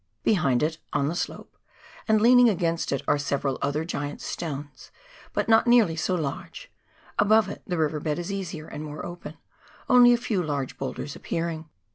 Behind it, on the slope, and leaning against it, are several other giant stones, but not nearly so large ; above it the river bed is easier and more open, only a few large boulders appearing.